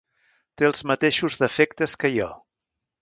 Té els mateixos defectes que jo.